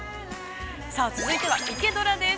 ◆続いては「イケドラ」です。